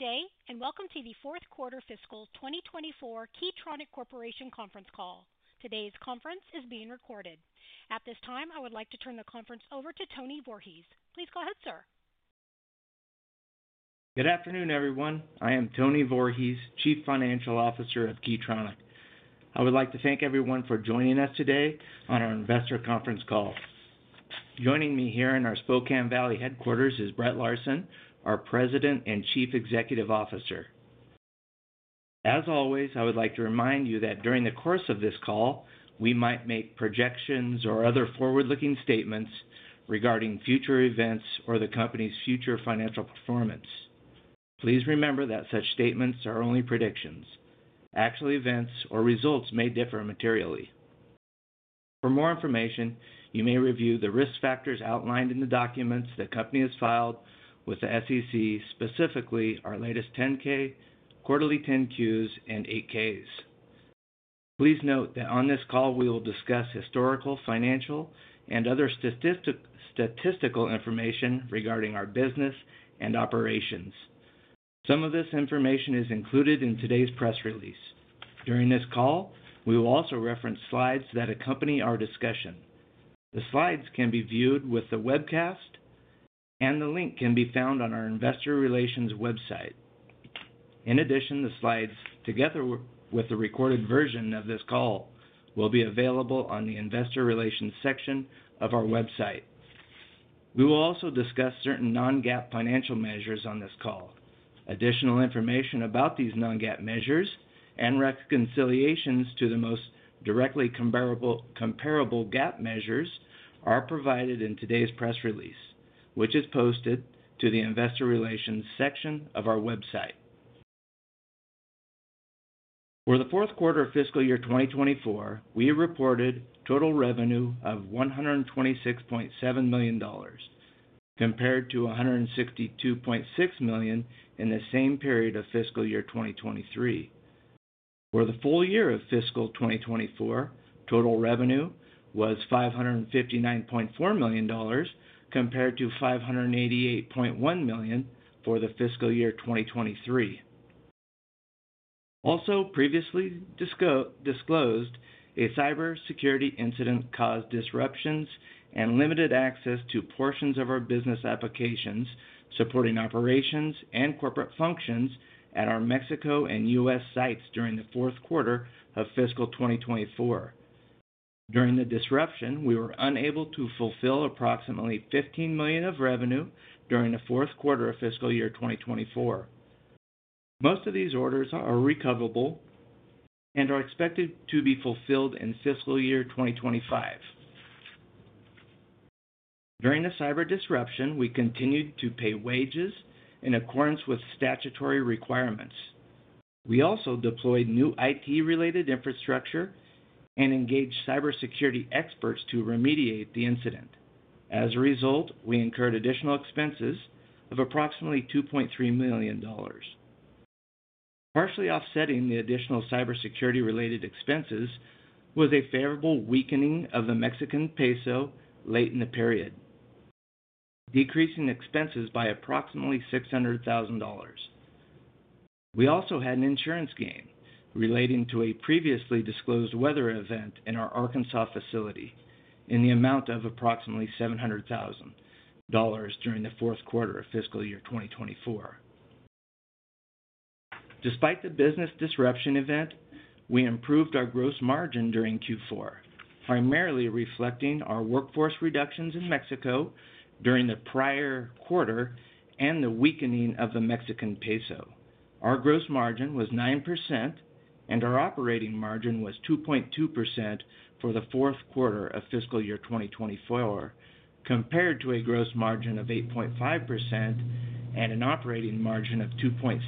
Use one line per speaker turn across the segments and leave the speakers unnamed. Good day, and welcome to the fourth quarter fiscal 2024 Key Tronic Corporation conference call. Today's conference is being recorded. At this time, I would like to turn the conference over to Tony Voorhees. Please go ahead, sir.
Good afternoon, everyone. I am Tony Voorhees, Chief Financial Officer of Key Tronic. I would like to thank everyone for joining us today on our investor conference call. Joining me here in our Spokane Valley headquarters is Brett Larsen, our President and Chief Executive Officer. As always, I would like to remind you that during the course of this call, we might make projections or other forward-looking statements regarding future events or the company's future financial performance. Please remember that such statements are only predictions. Actual events or results may differ materially. For more information, you may review the risk factors outlined in the documents the company has filed with the SEC, specifically our latest 10-K, quarterly 10-Qs, and 8-Ks. Please note that on this call, we will discuss historical, financial, and other statistical information regarding our business and operations. Some of this information is included in today's press release. During this call, we will also reference slides that accompany our discussion. The slides can be viewed with the webcast, and the link can be found on our investor relations website. In addition, the slides, together with the recorded version of this call, will be available on the investor relations section of our website. We will also discuss certain non-GAAP financial measures on this call. Additional information about these non-GAAP measures and reconciliations to the most directly comparable GAAP measures are provided in today's press release, which is posted to the investor relations section of our website. For the fourth quarter of fiscal year 2024, we reported total revenue of $126.7 million, compared to $162.6 million in the same period of fiscal year 2023. For the full year of fiscal 2024, total revenue was $559.4 million, compared to $588.1 million for the fiscal year 2023. Also, previously disclosed, a cybersecurity incident caused disruptions and limited access to portions of our business applications, supporting operations and corporate functions at our Mexico and U.S. sites during the fourth quarter of fiscal 2024. During the disruption, we were unable to fulfill approximately $15 million of revenue during the fourth quarter of fiscal year 2024. Most of these orders are recoverable and are expected to be fulfilled in fiscal year 2025. During the cyber disruption, we continued to pay wages in accordance with statutory requirements. We also deployed new IT-related infrastructure and engaged cybersecurity experts to remediate the incident. As a result, we incurred additional expenses of approximately $2.3 million. Partially offsetting the additional cybersecurity-related expenses was a favorable weakening of the Mexican peso late in the period, decreasing expenses by approximately $600,000. We also had an insurance gain relating to a previously disclosed weather event in our Arkansas facility in the amount of approximately $700,000 during the fourth quarter of fiscal year 2024. Despite the business disruption event, we improved our gross margin during Q4, primarily reflecting our workforce reductions in Mexico during the prior quarter and the weakening of the Mexican peso. Our gross margin was 9%, and our operating margin was 2.2% for the fourth quarter of fiscal year 2024, compared to a gross margin of 8.5% and an operating margin of 2.6%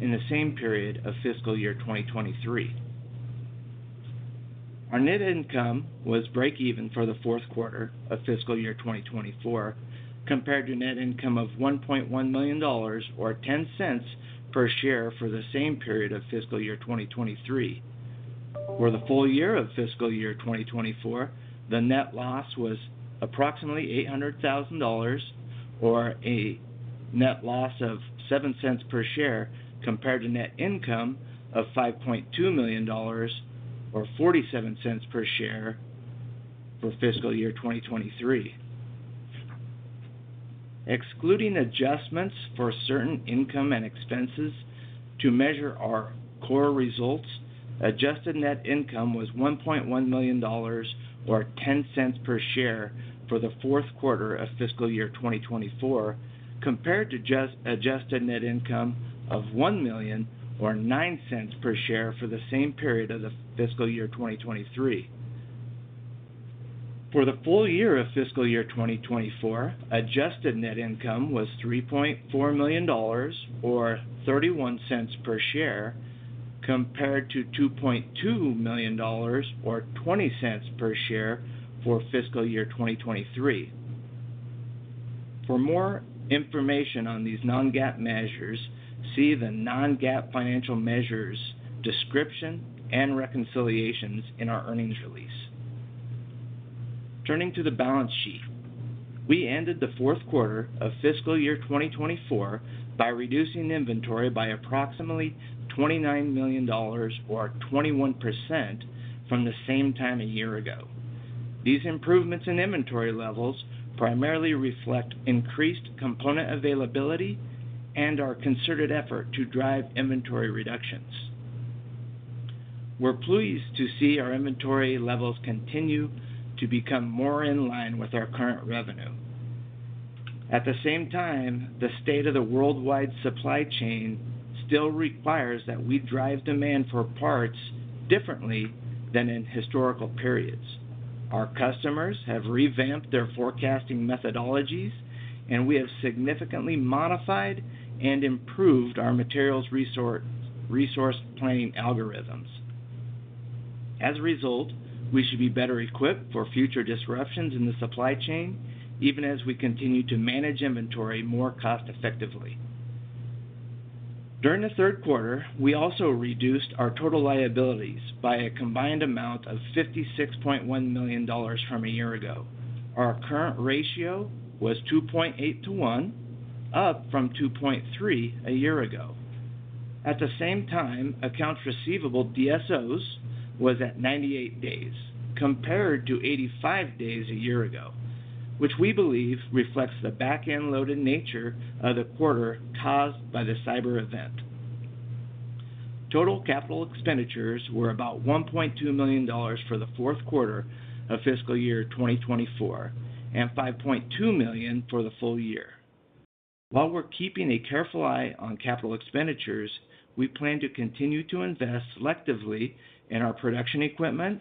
in the same period of fiscal year 2023. Our net income was breakeven for the fourth quarter of fiscal year 2024, compared to net income of $1.1 million or $0.10 per share for the same period of fiscal year 2023. For the full year of fiscal year 2024, the net loss was approximately $800,000 or a net loss of $0.07 per share, compared to net income of $5.2 million or $0.47 per share for fiscal year 2023. Excluding adjustments for certain income and expenses to measure our core results, adjusted net income was $1.1 million or $0.10 per share for the fourth quarter of fiscal year 2024, compared to just adjusted net income of $1 million or $0.09 per share for the same period of the fiscal year 2023. For the full year of fiscal year 2024, adjusted net income was $3.4 million or $0.31 per share, compared to $2.2 million or $0.20 per share for fiscal year 2023. For more information on these non-GAAP measures, see the non-GAAP financial measures description and reconciliations in our earnings release.... Turning to the balance sheet. We ended the fourth quarter of fiscal year 2024 by reducing inventory by approximately $29 million, or 21%, from the same time a year ago. These improvements in inventory levels primarily reflect increased component availability and our concerted effort to drive inventory reductions. We're pleased to see our inventory levels continue to become more in line with our current revenue. At the same time, the state of the worldwide supply chain still requires that we drive demand for parts differently than in historical periods. Our customers have revamped their forecasting methodologies, and we have significantly modified and improved our materials resource planning algorithms. As a result, we should be better equipped for future disruptions in the supply chain, even as we continue to manage inventory more cost effectively. During the third quarter, we also reduced our total liabilities by a combined amount of $56.1 million from a year ago. Our current ratio was 2.8 to 1, up from 2.3 a year ago. At the same time, accounts receivable DSOs was at 98 days, compared to 85 days a year ago, which we believe reflects the back-end-loaded nature of the quarter, caused by the cyber event. Total capital expenditures were about $1.2 million for the fourth quarter of fiscal year 2024, and $5.2 million for the full year. While we're keeping a careful eye on capital expenditures, we plan to continue to invest selectively in our production equipment,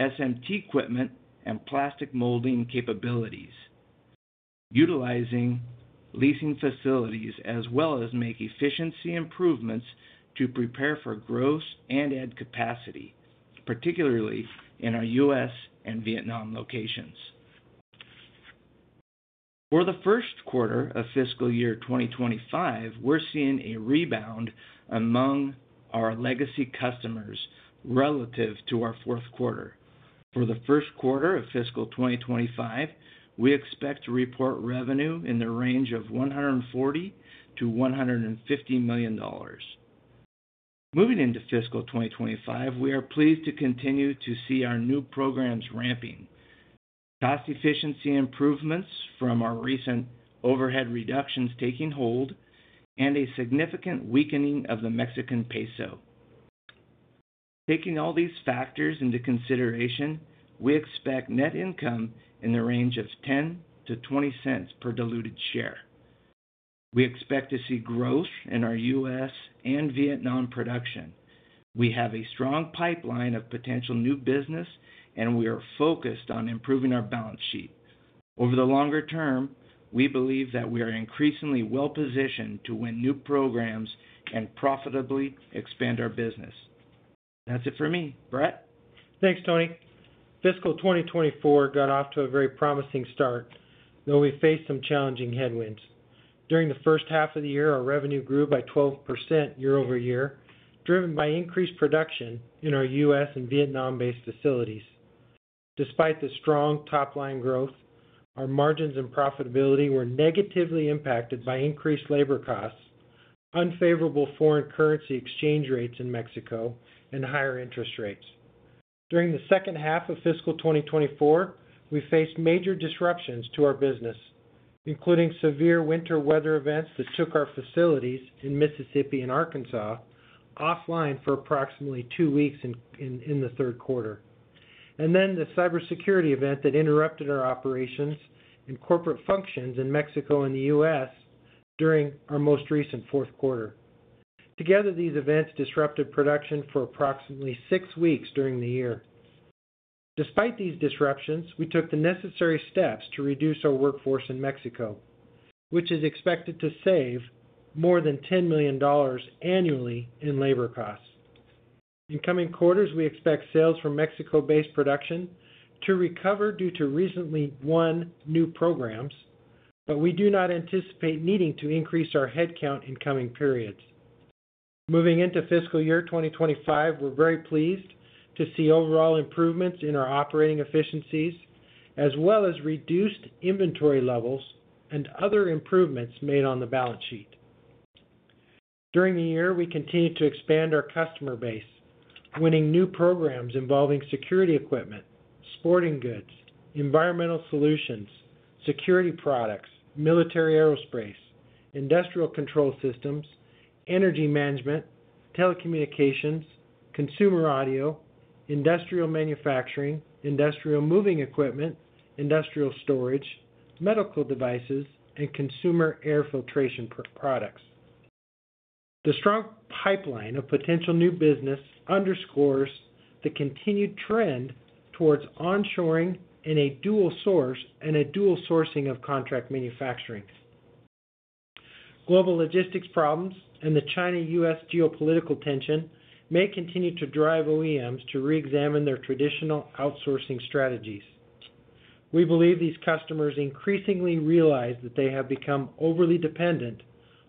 SMT equipment, and plastic molding capabilities. Utilizing leasing facilities, as well as make efficiency improvements to prepare for growth and add capacity, particularly in our U.S. and Vietnam locations. For the first quarter of fiscal year 2025, we're seeing a rebound among our legacy customers relative to our fourth quarter. For the first quarter of fiscal 2025, we expect to report revenue in the range of $140 million-$150 million. Moving into fiscal 2025, we are pleased to continue to see our new programs ramping, cost efficiency improvements from our recent overhead reductions taking hold, and a significant weakening of the Mexican peso. Taking all these factors into consideration, we expect net income in the range of $0.10-$0.20 per diluted share. We expect to see growth in our U.S. and Vietnam production. We have a strong pipeline of potential new business, and we are focused on improving our balance sheet. Over the longer term, we believe that we are increasingly well positioned to win new programs and profitably expand our business. That's it for me. Brett?
Thanks, Tony. Fiscal 2024 got off to a very promising start, though we faced some challenging headwinds. During the first half of the year, our revenue grew by 12% year-over-year, driven by increased production in our U.S. and Vietnam-based facilities. Despite the strong top-line growth, our margins and profitability were negatively impacted by increased labor costs, unfavorable foreign currency exchange rates in Mexico, and higher interest rates. During the second half of fiscal 2024, we faced major disruptions to our business, including severe winter weather events that took our facilities in Mississippi and Arkansas offline for approximately 2 weeks in the third quarter. And then the cybersecurity event that interrupted our operations and corporate functions in Mexico and the U.S. during our most recent fourth quarter. Together, these events disrupted production for approximately 6 weeks during the year. Despite these disruptions, we took the necessary steps to reduce our workforce in Mexico, which is expected to save more than $10 million annually in labor costs. In coming quarters, we expect sales from Mexico-based production to recover due to recently won new programs, but we do not anticipate needing to increase our headcount in coming periods. Moving into fiscal year 2025, we're very pleased to see overall improvements in our operating efficiencies, as well as reduced inventory levels and other improvements made on the balance sheet. During the year, we continued to expand our customer base, winning new programs involving security equipment, sporting goods, environmental solutions, security products, military aerospace, industrial control systems, energy management, telecommunications, consumer audio, industrial manufacturing, industrial moving equipment, industrial storage, medical devices, and consumer air filtration products. The strong pipeline of potential new business underscores the continued trend towards onshoring in a dual source and a dual sourcing of contract manufacturing. Global logistics problems and the China-U.S. geopolitical tension may continue to drive OEMs to reexamine their traditional outsourcing strategies. We believe these customers increasingly realize that they have become overly dependent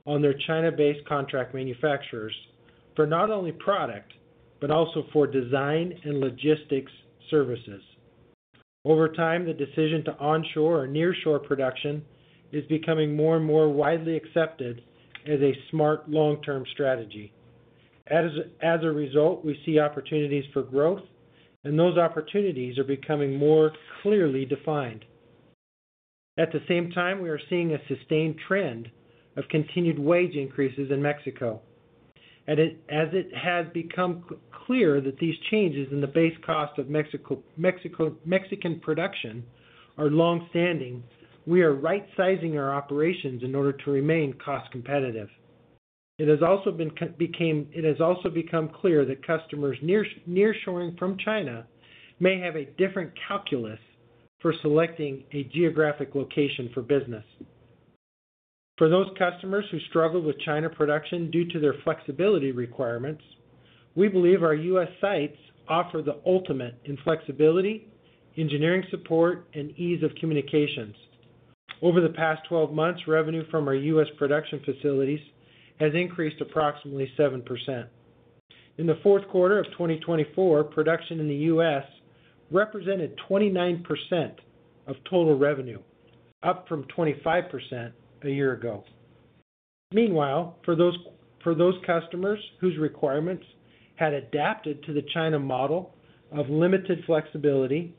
on their China-based contract manufacturers, for not only product, but also for design and logistics services. Over time, the decision to onshore or nearshore production is becoming more and more widely accepted as a smart long-term strategy. As a result, we see opportunities for growth, and those opportunities are becoming more clearly defined. At the same time, we are seeing a sustained trend of continued wage increases in Mexico. And as it has become clear that these changes in the base cost of Mexico, Mexican production are long-standing, we are right sizing our operations in order to remain cost competitive. It has also become clear that customers nearshoring from China may have a different calculus for selecting a geographic location for business. For those customers who struggle with China production due to their flexibility requirements, we believe our U.S. sites offer the ultimate in flexibility, engineering support, and ease of communications. Over the past 12 months, revenue from our U.S. production facilities has increased approximately 7%. In the fourth quarter of 2024, production in the U.S. represented 29% of total revenue, up from 25% a year ago. Meanwhile, for those customers whose requirements had adapted to the China model of limited flexibility,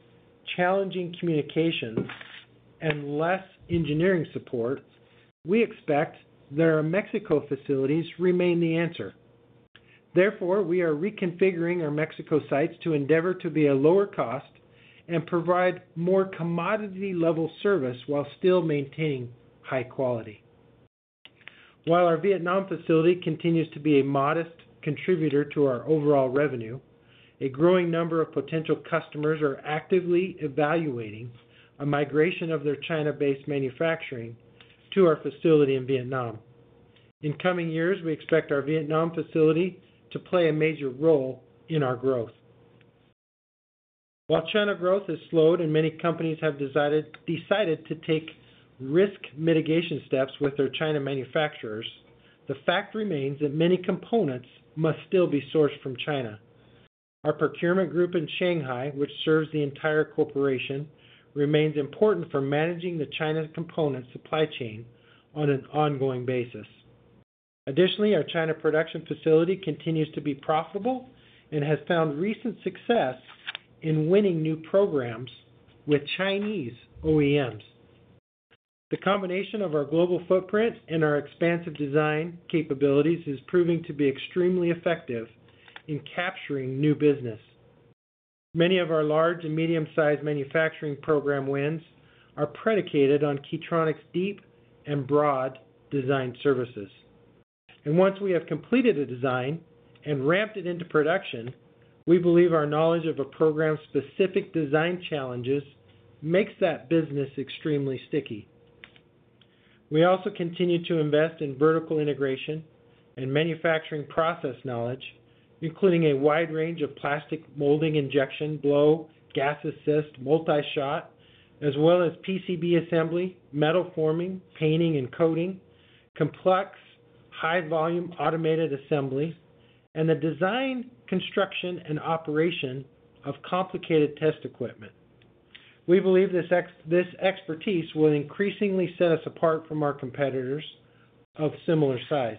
challenging communications, and less engineering support, we expect their Mexico facilities remain the answer. Therefore, we are reconfiguring our Mexico sites to endeavor to be a lower cost and provide more commodity-level service while still maintaining high quality. While our Vietnam facility continues to be a modest contributor to our overall revenue, a growing number of potential customers are actively evaluating a migration of their China-based manufacturing to our facility in Vietnam. In coming years, we expect our Vietnam facility to play a major role in our growth. While China growth has slowed and many companies have decided to take risk mitigation steps with their China manufacturers, the fact remains that many components must still be sourced from China. Our procurement group in Shanghai, which serves the entire corporation, remains important for managing China's component supply chain on an ongoing basis. Additionally, our China production facility continues to be profitable and has found recent success in winning new programs with Chinese OEMs. The combination of our global footprint and our expansive design capabilities is proving to be extremely effective in capturing new business. Many of our large and medium-sized manufacturing program wins are predicated on Key Tronic's deep and broad design services. Once we have completed a design and ramped it into production, we believe our knowledge of a program's specific design challenges makes that business extremely sticky. We also continue to invest in vertical integration and manufacturing process knowledge, including a wide range of plastic molding, injection, blow, gas assist, multi-shot, as well as PCB assembly, metal forming, painting and coating, complex high volume automated assembly, and the design, construction, and operation of complicated test equipment. We believe this expertise will increasingly set us apart from our competitors of similar size.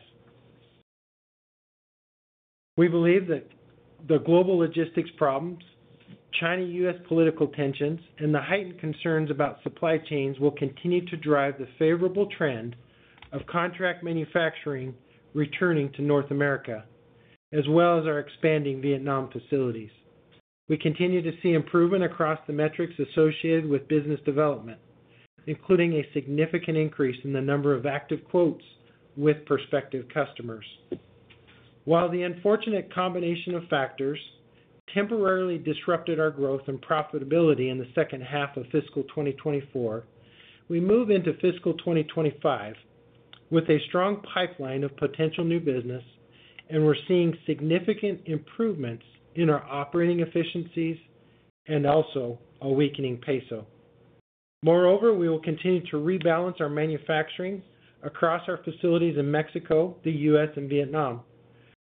We believe that the global logistics problems, China-U.S. political tensions, and the heightened concerns about supply chains will continue to drive the favorable trend of contract manufacturing, returning to North America, as well as our expanding Vietnam facilities. We continue to see improvement across the metrics associated with business development, including a significant increase in the number of active quotes with prospective customers. While the unfortunate combination of factors temporarily disrupted our growth and profitability in the second half of fiscal 2024, we move into fiscal 2025 with a strong pipeline of potential new business, and we're seeing significant improvements in our operating efficiencies and also a weakening peso. Moreover, we will continue to rebalance our manufacturing across our facilities in Mexico, the U.S., and Vietnam.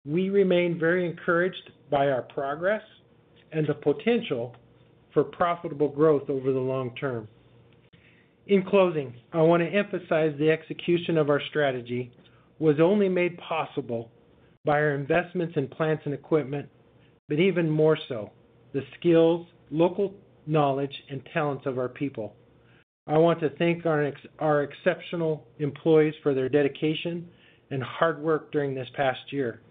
We remain very encouraged by our progress and the potential for profitable growth over the long term. In closing, I want to emphasize the execution of our strategy was only made possible by our investments in plants and equipment, but even more so, the skills, local knowledge, and talents of our people. I want to thank our exceptional employees for their dedication and hard work during this past year,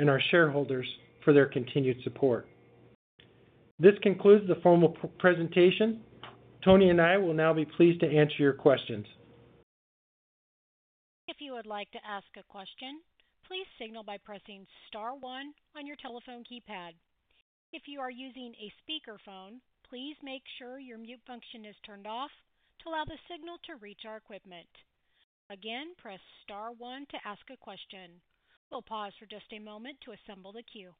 and our shareholders for their continued support. This concludes the formal presentation. Tony and I will now be pleased to answer your questions.
If you would like to ask a question, please signal by pressing star one on your telephone keypad. If you are using a speakerphone, please make sure your mute function is turned off to allow the signal to reach our equipment. Again, press star one to ask a question. We'll pause for just a moment to assemble the queue.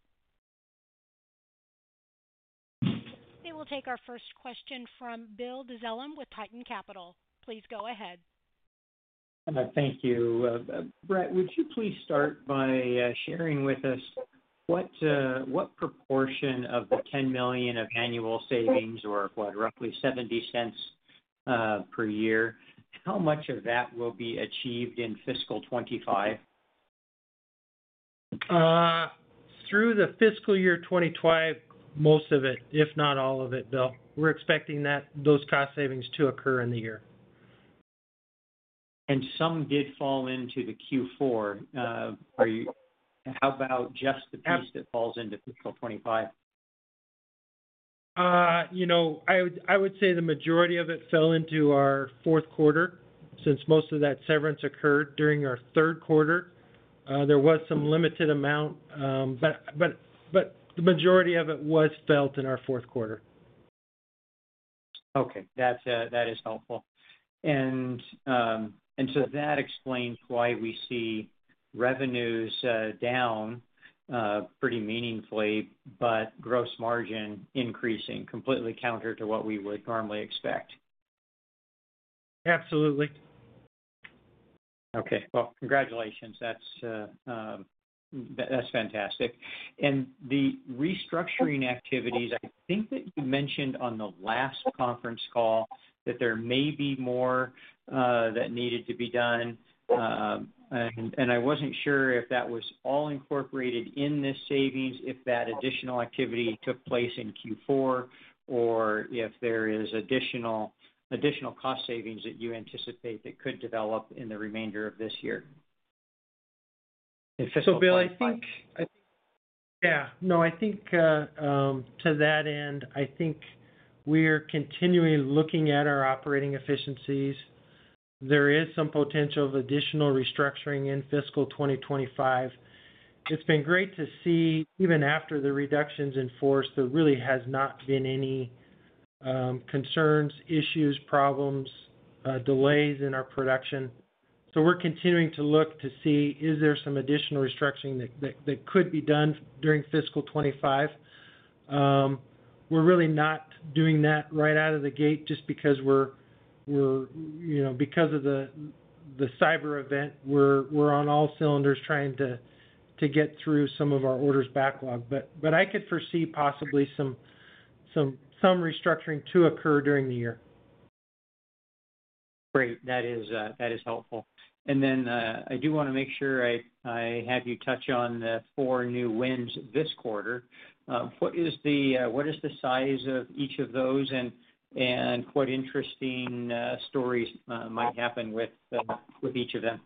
We'll take our first question from Bill Dezellem with Tieton Capital Management. Please go ahead.
Thank you. Brett, would you please start by sharing with us what proportion of the $10 million of annual savings, or what, roughly $0.70 per year, how much of that will be achieved in fiscal 2025?
Through the fiscal year 2025, most of it, if not all of it, Bill. We're expecting that, those cost savings to occur in the year.
Some did fall into the Q4. How about just the piece that falls into fiscal 25?
You know, I would say the majority of it fell into our fourth quarter, since most of that severance occurred during our 3rd quarter. There was some limited amount, but the majority of it was felt in our 4th quarter.
Okay. That is helpful. And so that explains why we see revenues down pretty meaningfully, but gross margin increasing completely counter to what we would normally expect.
Absolutely.
Okay, well, congratulations. That's fantastic. And the restructuring activities, I think that you mentioned on the last conference call that there may be more that needed to be done. And I wasn't sure if that was all incorporated in this savings, if that additional activity took place in Q4, or if there is additional cost savings that you anticipate that could develop in the remainder of this year, in fiscal 25.
So, Bill, I think to that end, I think we're continuing looking at our operating efficiencies. There is some potential of additional restructuring in fiscal 2025. It's been great to see, even after the reductions in force, there really has not been any concerns, issues, problems, delays in our production. So we're continuing to look to see is there some additional restructuring that could be done during fiscal 2025. We're really not doing that right out of the gate just because we're, you know, because of the cyber event, we're on all cylinders trying to get through some of our orders backlog. But I could foresee possibly some restructuring to occur during the year.
Great. That is, that is helpful. And then, I do want to make sure I, I have you touch on the 4 new wins this quarter. What is the, what is the size of each of those and, and what interesting, stories, might happen with, with each of them?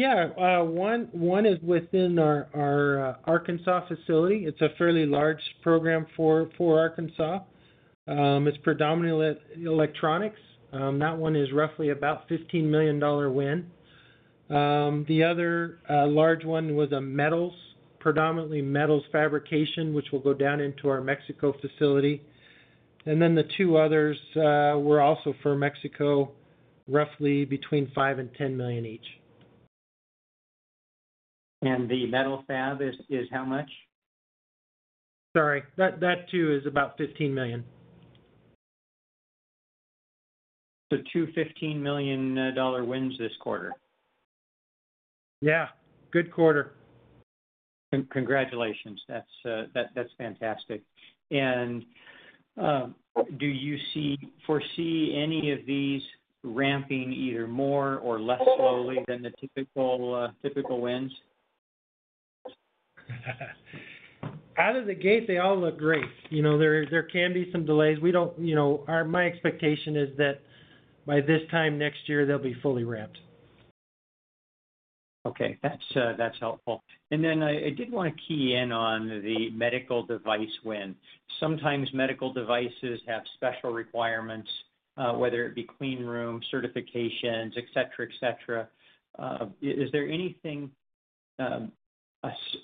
Yeah. One is within our Arkansas facility. It's a fairly large program for Arkansas. It's predominantly electronics. That one is roughly about a $15 million win. The other large one was a metals, predominantly metals fabrication, which will go down into our Mexico facility. And then the two others were also for Mexico, roughly between $5 million and $10 million each.
The metal fab is how much?
Sorry. That too is about $15 million.
So 2 $15 million dollar wins this quarter?
Yeah. Good quarter.
Congratulations. That's fantastic. Do you foresee any of these ramping either more or less slowly than the typical wins?
Out of the gate, they all look great. You know, there can be some delays. We don't, you know, our, my expectation is that by this time next year, they'll be fully ramped.
Okay. That's, that's helpful. And then I, I did want to key in on the medical device win. Sometimes medical devices have special requirements, whether it be clean room certifications, et cetera, et cetera. Is there anything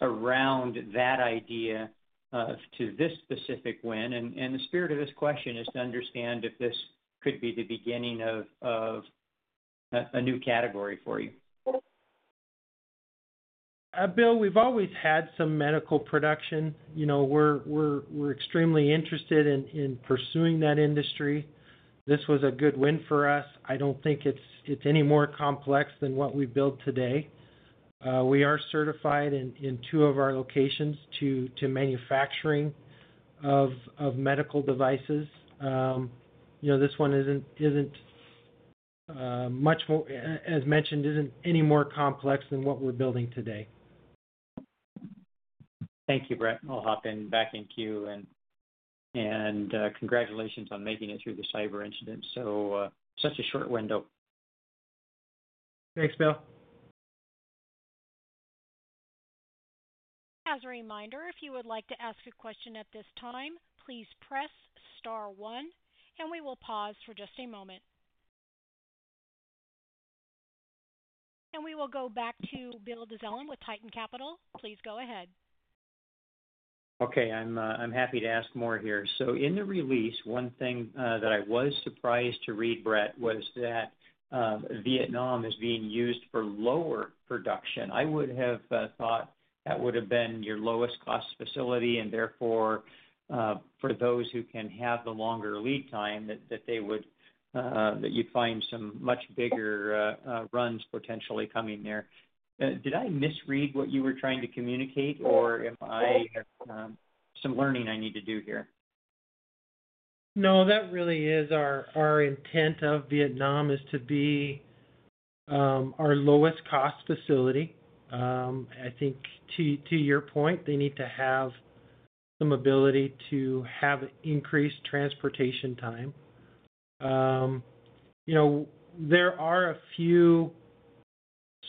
around that idea to this specific win? And, and the spirit of this question is to understand if this could be the beginning of, of a, a new category for you.
Bill, we've always had some medical production. You know, we're extremely interested in pursuing that industry. This was a good win for us. I don't think it's any more complex than what we built today. We are certified in two of our locations to manufacturing of medical devices. You know, this one isn't much more, as mentioned, isn't any more complex than what we're building today.
Thank you, Brett. I'll hop in back in queue and, congratulations on making it through the cyber incident. So, such a short window.
Thanks, Bill.
As a reminder, if you would like to ask a question at this time, please press star one, and we will pause for just a moment. We will go back to Bill Dezellem with Tieton Capital Management. Please go ahead.
Okay. I'm, I'm happy to ask more here. So, in the release, one thing, that I was surprised to read, Brett, was that, Vietnam is being used for lower production. I would have thought that would have been your lowest cost facility, and therefore, for those who can have the longer lead time, that, that they would, that you'd find some much bigger, runs potentially coming there. Did I misread what you were trying to communicate, or am I, some learning I need to do here?
No, that really is our intent of Vietnam is to be our lowest cost facility. I think to your point, they need to have some ability to have increased transportation time. You know, there are a few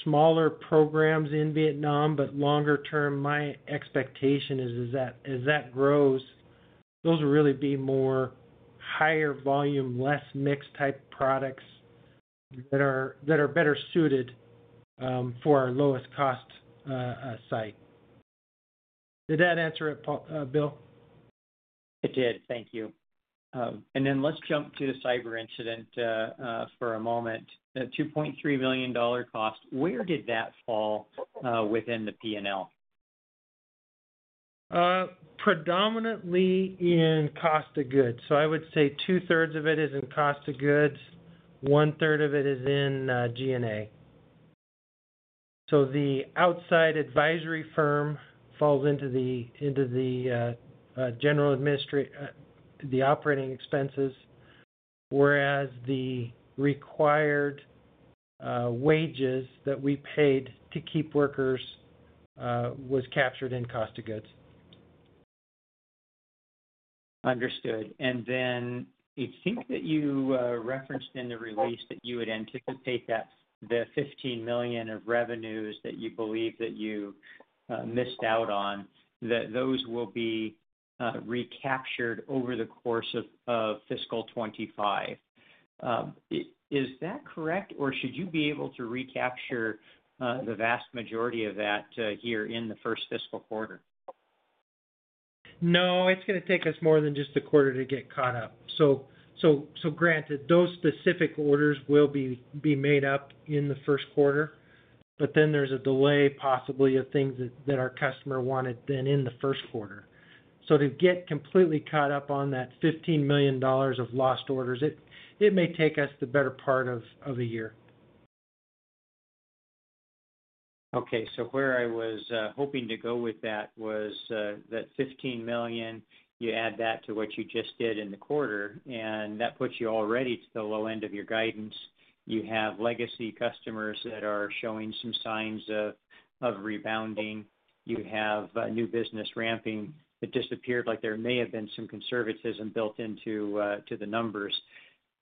smaller programs in Vietnam, but longer term, my expectation is that as that grows, those will really be more higher volume, less mixed type products that are better suited for our lowest cost site. Did that answer it, Paul, Bill?
It did. Thank you. And then let's jump to the cyber incident for a moment. The $2.3 million cost, where did that fall within the P&L?
Predominantly in cost of goods. So, I would say two-thirds of it is in cost of goods, one-third of it is in G&A. So, the outside advisory firm falls into the general administrative, the operating expenses, whereas the required wages that we paid to keep workers was captured in cost of goods.
Understood. And then I think that you referenced in the release that you would anticipate that the $15 million of revenues that you believe that you missed out on, that those will be recaptured over the course of fiscal 2025. Is that correct, or should you be able to recapture the vast majority of that here in the first fiscal quarter?
No, it's gonna take us more than just a quarter to get caught up. So granted, those specific orders will be made up in the first quarter, but then there's a delay possibly of things that our customer wanted in the first quarter. So, to get completely caught up on that $15 million of lost orders, it may take us the better part of a year.
Okay, so, where I was hoping to go with that was that $15 million, you add that to what you just did in the quarter, and that puts you already to the low end of your guidance. You have legacy customers that are showing some signs of rebounding. You have new business ramping. It disappeared, like there may have been some conservatism built into to the numbers.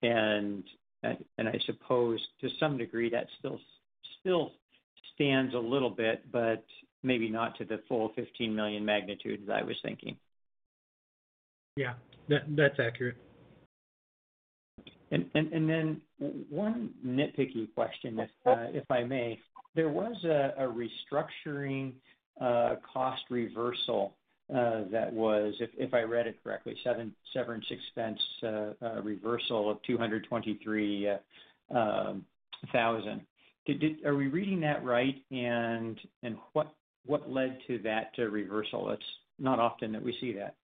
And, and I suppose to some degree, that still stands a little bit, but maybe not to the full $15 million magnitude, as I was thinking.
Yeah, that, that's accurate.
One nitpicky question, if I may. There was a restructuring cost reversal that was, if I read it correctly, severance expense reversal of $223,000. Are we reading that right? What led to that reversal? It's not often that we see that.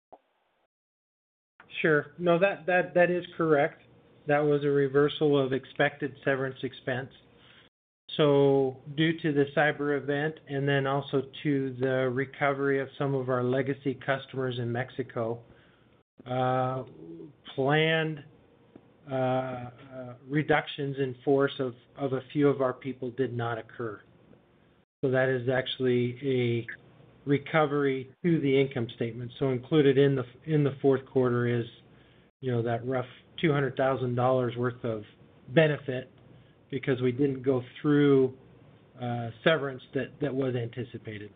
Sure. No, that is correct. That was a reversal of expected severance expense. So, due to the cyber event and then also to the recovery of some of our legacy customers in Mexico, planned reductions in force of a few of our people did not occur. So, that is actually a recovery to the income statement. So, included in the fourth quarter is, you know, that rough $200,000 worth of benefit because we didn't go through severance that was anticipated.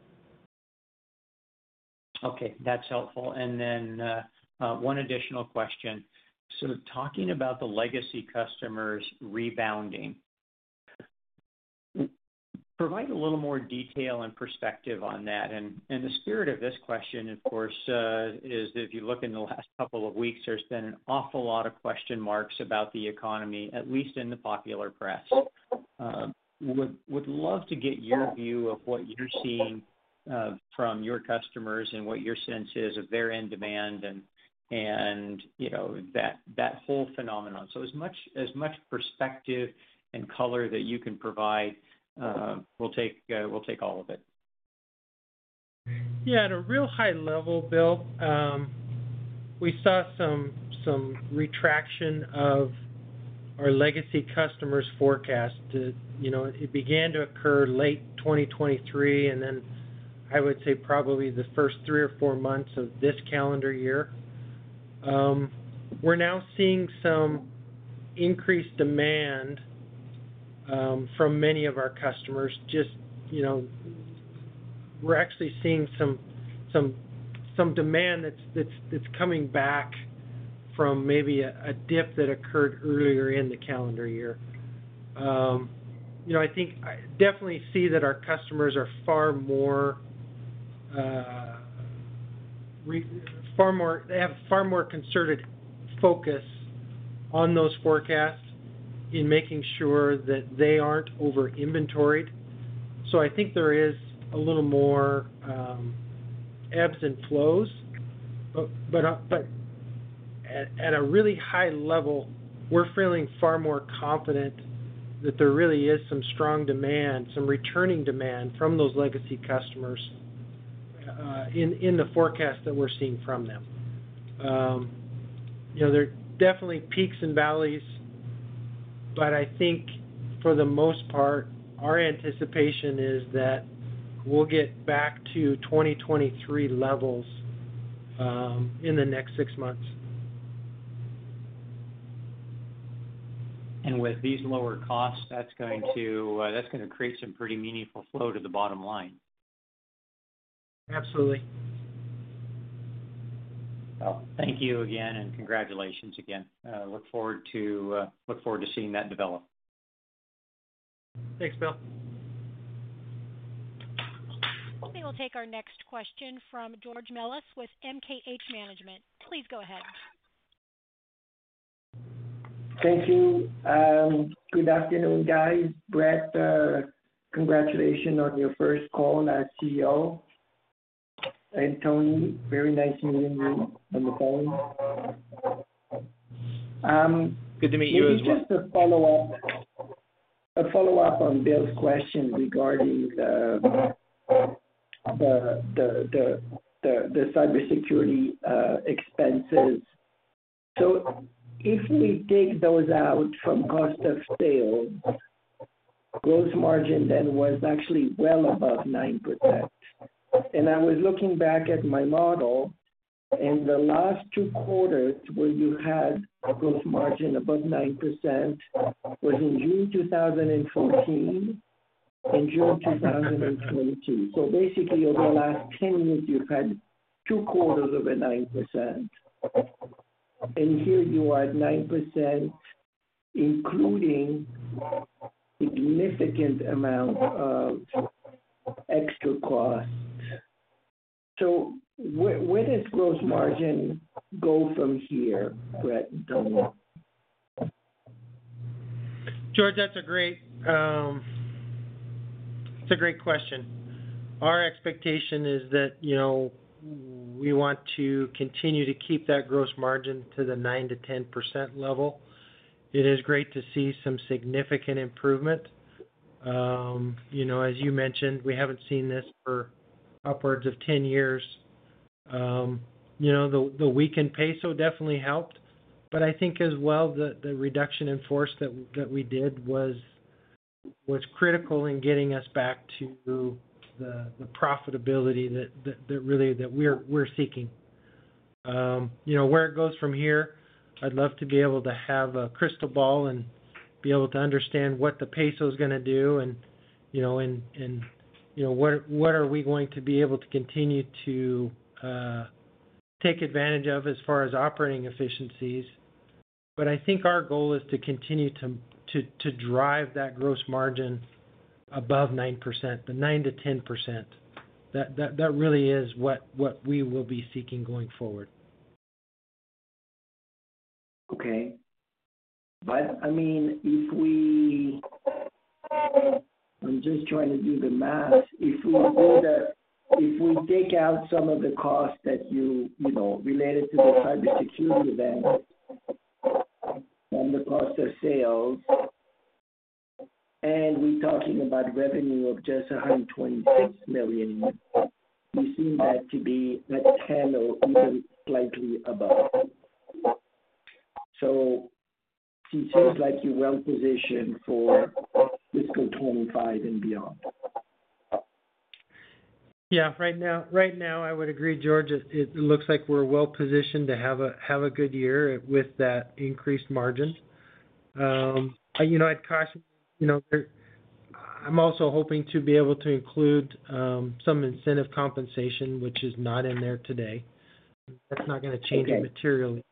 Okay, that's helpful. And then one additional question. So, talking about the legacy customers rebounding, provide a little more detail and perspective on that. And the spirit of this question, of course, is if you look in the last couple of weeks, there's been an awful lot of question marks about the economy, at least in the popular press. Would love to get your view of what you're seeing from your customers and what your sense is of their end demand and, you know, that whole phenomenon. So, as much perspective and color that you can provide, we'll take all of it.
Yeah, at a real high level, Bill, we saw some retraction of our legacy customers' forecast. You know, it began to occur late 2023, and then I would say probably the first 3 or 4 months of this calendar year. We're now seeing some increased demand from many of our customers, just, you know... We're actually seeing some demand that's coming back from maybe a dip that occurred earlier in the calendar year. You know, I think I definitely see that our customers are far more - they have far more concerted focus on those forecasts in making sure that they aren't over inventoried. So, I think there is a little more ebbs and flows. At a really high level, we're feeling far more confident that there really is some strong demand, some returning demand from those legacy customers in the forecast that we're seeing from them. You know, there are definitely peaks and valleys, but I think for the most part, our anticipation is that we'll get back to 2023 levels in the next six months.
With these lower costs, that's gonna create some pretty meaningful flow to the bottom line.
Absolutely.
Well, thank you again, and congratulations again. Look forward to, look forward to seeing that develop.
Thanks, Bill.
We will take our next question from George Melas with MKH Management. Please go ahead.
Thank you. Good afternoon, guys. Brett, congratulations on your first call as CEO. Tony, very nice meeting you on the phone.
Good to meet you as well.
Just to follow up, a follow-up on Bill's question regarding the cybersecurity expenses. So, if we take those out from cost of sale, gross margin then was actually well above 9%. And I was looking back at my model, and the last two quarters where you had a gross margin above 9% was in June 2014 and June 2022. So, basically, over the last 10 years, you've had two quarters over 9%. And here you are at 9%, including significant amount of extra costs. So, where, where does gross margin go from here, Brett and Tony?
George, that's a great... That's a great question. Our expectation is that, you know, we want to continue to keep that gross margin to the 9%-10% level. It is great to see some significant improvement. You know, as you mentioned, we haven't seen this for upwards of 10 years. You know, the, the weakened peso definitely helped, but I think as well, the, the reduction in force that, that we did was, was critical in getting us back to the, the profitability that, that, that really, that we're, we're seeking. You know, where it goes from here, I'd love to be able to have a crystal ball and be able to understand what the peso is gonna do and, you know, what are we going to be able to continue to take advantage of as far as operating efficiencies. But I think our goal is to continue to drive that gross margin above 9%, the 9%-10%. That really is what we will be seeking going forward.
Okay. But I mean, if we take out some of the costs that you, you know, related to the cybersecurity event from the cost of sales, and we're talking about revenue of just $126 million, we seem that to be that 10 or even slightly above. So, it seems like you're well positioned for fiscal 2025 and beyond.
Yeah. Right now, right now, I would agree, George. It looks like we're well positioned to have a good year with that increased margin. You know, I'd caution, you know, I'm also hoping to be able to include some incentive compensation, which is not in there today.
Okay.
That's not gonna change it materially.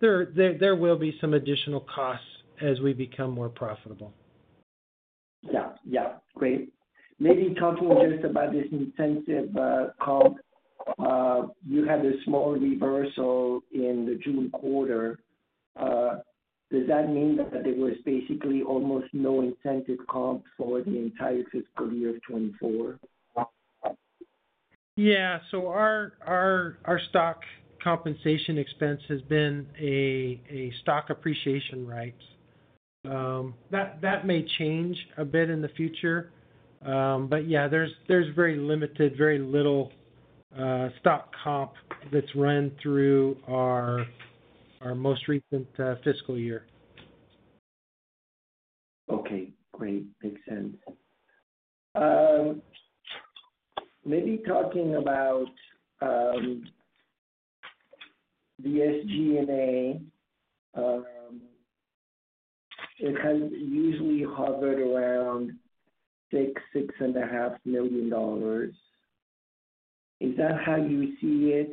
There will be some additional costs as we become more profitable.
Yeah. Yeah. Great. Maybe talking just about this incentive, comp, you had a small reversal in the June quarter. Does that mean that there was basically almost no incentive comp for the entire fiscal year of 2024?
Yeah. So, our stock compensation expense has been a stock appreciation right. That may change a bit in the future. But yeah, there's very limited, very little stock comp that's run through our most recent fiscal year.
Okay, great. Makes sense. Maybe talking about the SG&A, it has usually hovered around $6-$6.5 million. Is that how you see it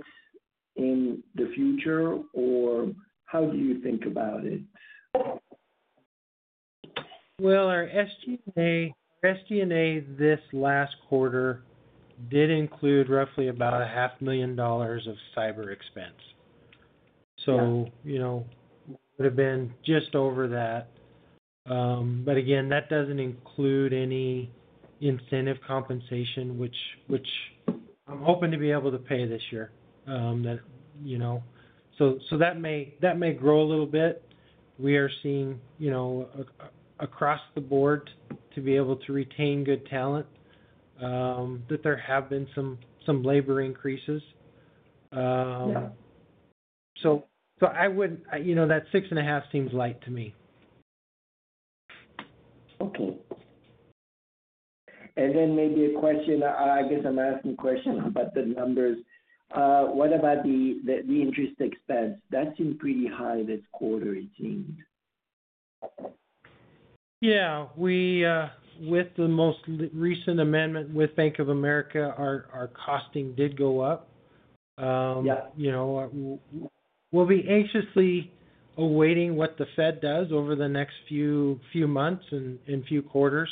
in the future, or how do you think about it?
Well, our SG&A, SG&A, this last quarter did include roughly about $500,000 of cyber expense. So, you know, would have been just over that. But again, that doesn't include any incentive compensation, which I'm hoping to be able to pay this year. That, you know. So, that may grow a little bit. We are seeing, you know, across the board to be able to retain good talent, that there have been some labor increases.
Yeah.
I would, you know, that 6.5 seems light to me.
Okay. And then maybe a question, I guess I'm asking questions about the numbers. What about the interest expense? That seemed pretty high this quarter, it seemed.
Yeah. We, with the most recent amendment with Bank of America, our, our costing did go up.
Yeah.
You know, we'll be anxiously awaiting what the Fed does over the next few months and few quarters.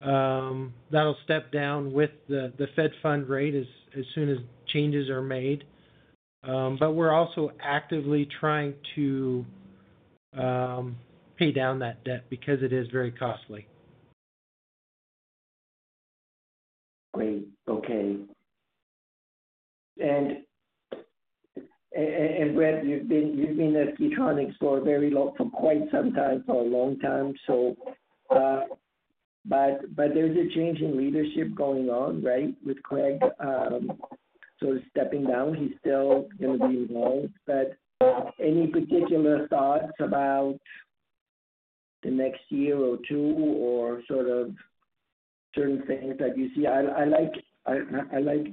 That'll step down with the Fed funds rate as soon as changes are made. But we're also actively trying to pay down that debt because it is very costly.
Great. Okay. And, Brett, you've been at Key Tronic for quite some time, for a long time, so, but, but there's a change in leadership going on, right? With Craig sort of stepping down. He's still gonna be involved, but any particular thoughts about the next year or two, or sort of certain things that you see? I like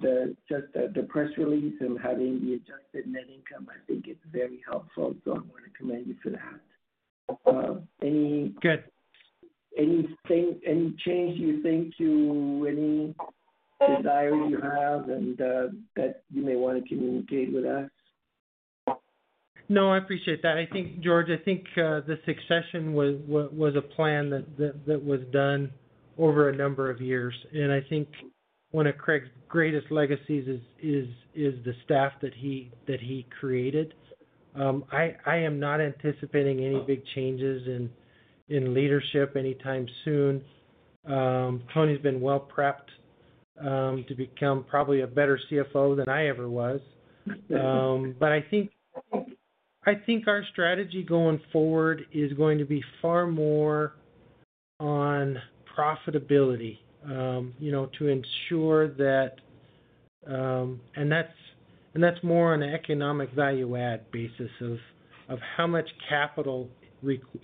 just the press release and having the adjusted net income. I think it's very helpful, so, I want to commend you for that. Any-
Good.
Anything, any change you think to any desire you have and that you may wanna communicate with us?
No, I appreciate that. I think, George, I think, the succession was a plan that was done over a number of years. And I think one of Craig's greatest legacies is the staff that he created. I am not anticipating any big changes in leadership anytime soon. Tony's been well prepped to become probably a better CFO than I ever was. But I think our strategy going forward is going to be far more on profitability. You know, to ensure that. And that's more on an economic value add basis of how much capital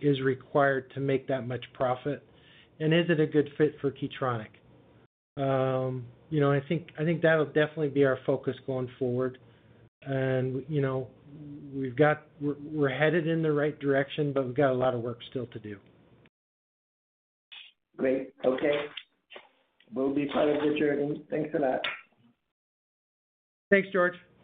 is required to make that much profit, and is it a good fit for Keytronic? You know, I think that'll definitely be our focus going forward. You know, we're headed in the right direction, but we've got a lot of work still to do.
Great. Okay. We'll be part of the journey. Thanks a lot.
Thanks, George.